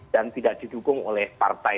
dan tidak didukung oleh partai